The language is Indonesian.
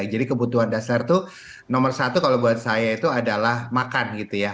jadi kebutuhan dasar itu nomor satu kalau buat saya itu adalah makan gitu ya